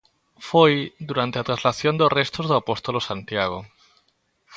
Foi durante a Translación dos restos do Apóstolo Santiago.